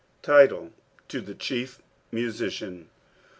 TiTLB.— To the Chief Musician.